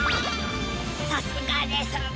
さすがです